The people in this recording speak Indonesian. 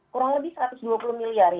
kurang lebih satu ratus dua puluh miliar